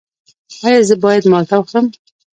ایا زه باید مالټه وخورم؟